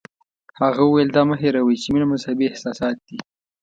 هغه وویل دا مه هیروئ چې مینه مذهبي احساسات دي.